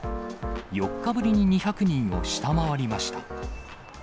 ４日ぶりに２００人を下回りました。